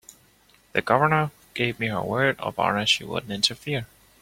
The Governor gave me her word of honor she wouldn't interfere.